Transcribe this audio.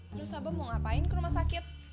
terus abang mau ngapain ke rumah sakit